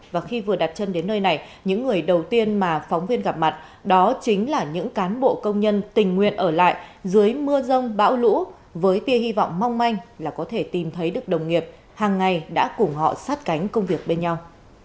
và khi vừa đặt chân đến nơi này những người đầu tiên mà phóng viên gặp mặt đó chính là những cán bộ công nhân tình nguyện ở lại dưới mưa rông bão lũ với tia hy vọng mong manh là có thể tìm thấy được đồng nghiệp hàng ngày đã cùng họ sát cánh công việc bên nhau